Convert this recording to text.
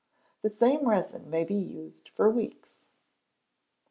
The same resin may be used for weeks.